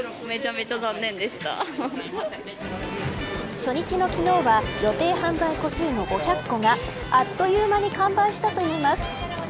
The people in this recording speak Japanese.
初日の昨日は予定販売個数の５００個があっという間に完売したといいます。